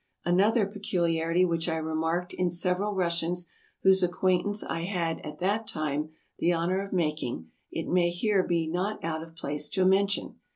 Another peculiarity which I remarked in several Rus sians whose acquaintance I had at that time the honor of making, it may here be not out of place to mention.